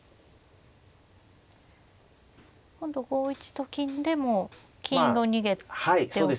今度５一と金でも金を逃げておけば。